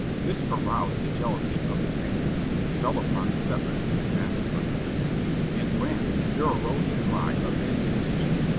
This aroused the jealousy of the Span iards, who fell upon the settlers and massacred them. In France there arose a cry of indignation.